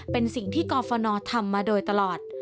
เป็นสิ่งที่กรฟนทำมาโดยตลอด